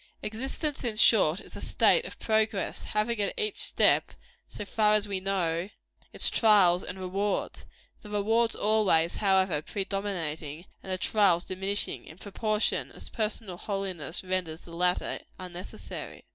Existence, in short, is a state of progress, having, at every step, so far as we know, its trials and rewards the rewards always, however, predominating, and the trials diminishing, in proportion as personal holiness renders the latter unnecessary.